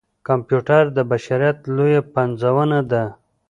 کمپیوټر د بشريت لويه پنځونه ده.